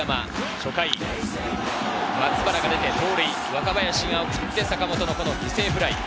初回、松原が出て盗塁、若林が送って坂本の犠牲フライ。